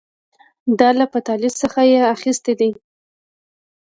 دا له فاتالیس څخه یې اخیستي دي